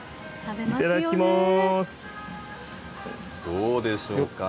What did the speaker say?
どうでしょうか。